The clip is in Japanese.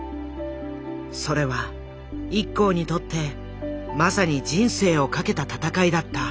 それはＩＫＫＯにとってまさに人生を懸けた闘いだった。